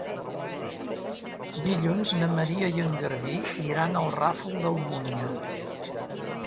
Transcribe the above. Dilluns na Maria i en Garbí iran al Ràfol d'Almúnia.